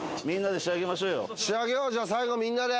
仕上げようじゃあ最後みんなで。